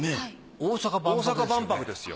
大阪万博ですよ。